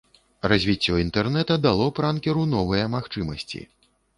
Развіццё інтэрнэта дало пранкеру новыя магчымасці.